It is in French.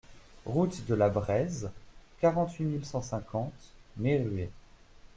Route de la Brèze, quarante-huit mille cent cinquante Meyrueis